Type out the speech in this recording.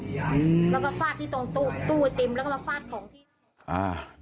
แล้วก็ฟาดที่ตรงตู้ตู้เต็มแล้วก็มาฟาดของที่อ่า